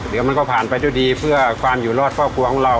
เดี๋ยวมันก็ผ่านไปด้วยดีเพื่อความอยู่รอดครอบครัวของเรา